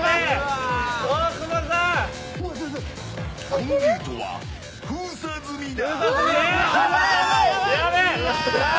このゲートは封鎖済みだ。